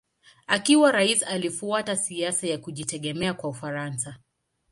Akiwa rais alifuata siasa ya kujitegemea kwa Ufaransa.